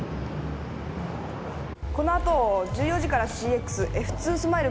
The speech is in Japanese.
この後１４時からＣＸ「Ｆ２スマイル」